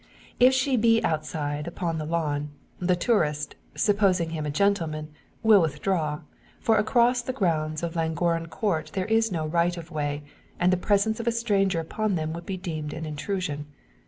If she be outside, upon the lawn, the tourist, supposing him a gentleman, will withdraw; for across the grounds of Llangorren Court there is no "right of way," and the presence of a stranger upon them would be deemed an intrusion.